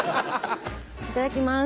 いただきます。